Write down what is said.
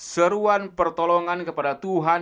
seruan pertolongan kepada tuhan